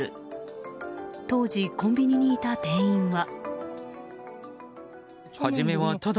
当時、コンビニにいた店員は。